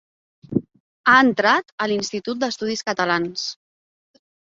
Ha entrat a l'Institut d'Estudis Catalans.